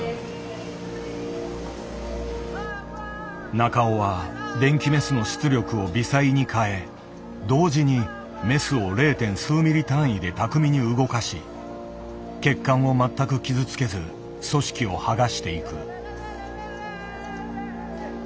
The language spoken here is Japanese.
中尾は電気メスの出力を微細に変え同時にメスを０．数ミリ単位で巧みに動かし血管を全く傷つけず組織を剥がしていく。